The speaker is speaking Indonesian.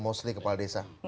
mostly kepala desa